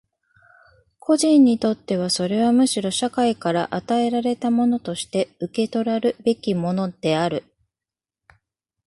個人にとってはそれはむしろ社会から与えられたものとして受取らるべきものである。